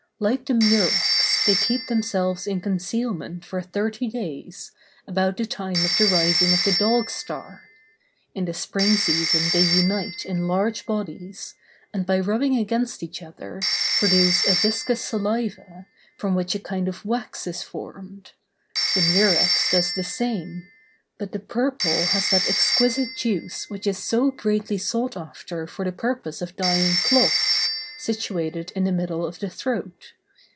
Like the murex, they keep themselves in concealment for thirty days, about the time of the rising of the Dog star; in the spring season they unite in large bodies, and by rubbing against each other, produce a viscous saliva, from which a kind of wax is formed. The murex does the same; but the purple has that exquisite juice which is so greatly sought after for the purpose of dyeing cloth, situated in the middle of the throat.